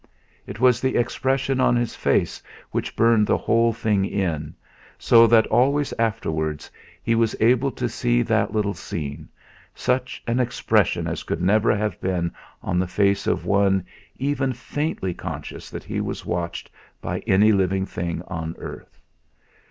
It was the expression on his face which burned the whole thing in, so that always afterwards he was able to see that little scene such an expression as could never have been on the face of one even faintly conscious that he was watched by any living thing on earth.